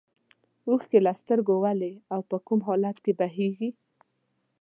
اوښکې له سترګو ولې او په کوم حالت کې بهیږي.